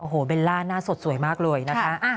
โอ้โหเบลล่าหน้าสดสวยมากเลยนะคะ